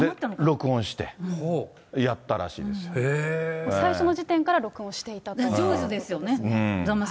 録音して、最初の時点から録音していた上手ですよね。